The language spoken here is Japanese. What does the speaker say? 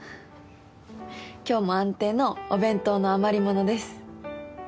今日も安定のお弁当の余り物です。